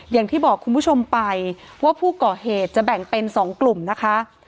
อย่างที่บอกคุณผู้ชมไปว่าผู้ก่อเหตุจะแบ่งเป็น๒กลุ่มนะคะ